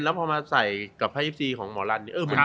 แล้วพอมาใส่กับค่า๒๔ของหมอรัน